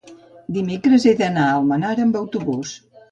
Dimecres he d'anar a Almenara amb autobús.